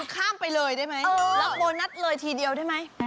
ข้ามไปเลยได้ไหมรับโบนัสเลยทีเดียวได้ไหม